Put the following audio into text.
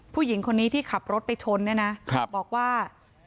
ผู้หญิงคนนี้ที่ขับรถไปชนเนี่ยนะบอกว่า